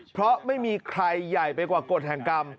เพราะไม่มีใครใหญ่ไปกว่ากฎแห่งกรรม